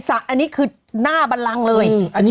อันนี้คือหน้าบันลังเลย